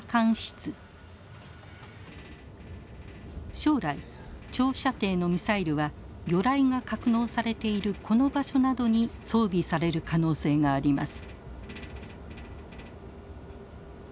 将来長射程のミサイルは魚雷が格納されているこの場所などに装備される可能性があります。